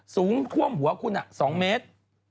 สูงท่วมหัวคุณ๒เมตร